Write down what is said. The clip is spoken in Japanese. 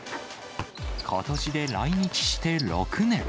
ことしで来日して６年。